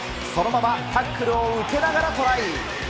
そのままタックルを受けながらトライ。